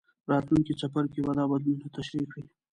راتلونکی څپرکی به دا بدلونونه تشریح کړي.